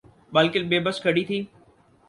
بالکل بے بس کھڑی تھی۔